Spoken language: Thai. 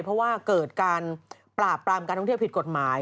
เพราะว่าเกิดการปราบปรามการท่องเที่ยวผิดกฎหมาย